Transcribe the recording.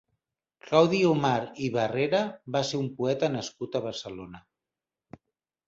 Claudi Omar i Barrera va ser un poeta nascut a Barcelona.